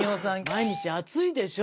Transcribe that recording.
毎日暑いでしょ？